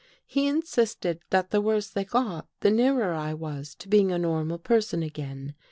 He insisted that the worse they got, the nearer I was to being a normal person again.